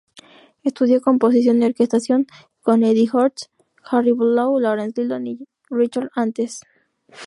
Estudió composición y orquestación con Eddie Horst, Harry Bülow, Lawrence Dillon y Richard Antes.